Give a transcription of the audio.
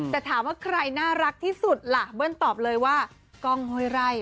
แต่ถามว่าใครน่ารักที่สุดล่ะเบิ้ลตอบเลยว่ากล้องห้วยไร่